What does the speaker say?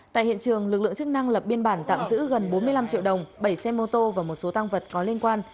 tại hiện trường lực lượng chức năng lập biên bản tạm giữ gần bốn mươi năm triệu đồng